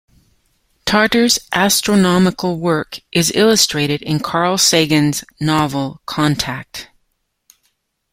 Tarter's astronomical work is illustrated in Carl Sagan's novel "Contact".